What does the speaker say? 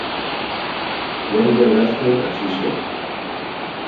Jaia laster hasi zen.